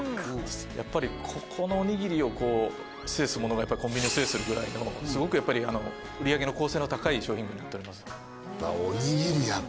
やっぱりここのおにぎりをこう制す者がやっぱりコンビニを制するぐらいのすごく売り上げの構成の高い商品になっております。